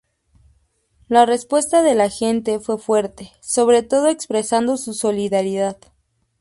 La respuesta de la gente fue fuerte, sobre todo expresando su solidaridad.